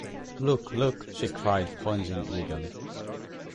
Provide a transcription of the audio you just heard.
‘Look, look!’ she cried, pointing eagerly.